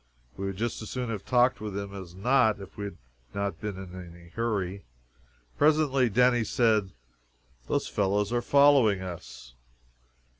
We would just as soon have talked with him as not if we had not been in a hurry. Presently Denny said, "Those fellows are following us!"